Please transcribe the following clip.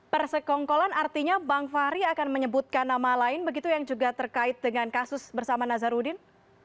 persekongkolan artinya bang fahri akan menyebutkan nama lain begitu yang juga terkait dengan kasus bersama nazarudin